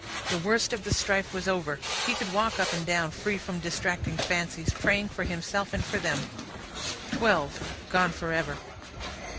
The worst of the strife was over. He could walk up and down, free from distracting fancies, praying for himself and for them. Twelve gone for ever.